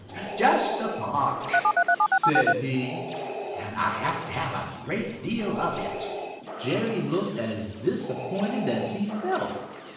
"Just the bark," said he, "and I have to have a great deal of it." Jerry looked as disappointed as he felt.